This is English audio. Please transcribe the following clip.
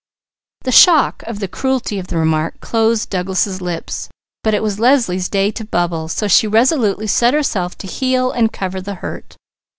The shock of the cruelty of the remark closed Douglas' lips, but it was Leslie's day to bubble, so she resolutely set herself to heal and cover the hurt.